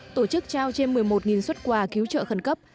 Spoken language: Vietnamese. tổ chức trao trên một mươi một xuất quà cứu trợ khẩn cấp